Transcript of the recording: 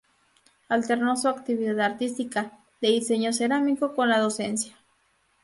Alternó su actividad artística, de diseño cerámico, con la docencia.